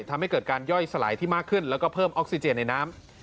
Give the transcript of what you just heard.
ทำให้เกิดการย่อยสลายที่มากขึ้นแล้วก็เพิ่มออกซิเจนในน้ำ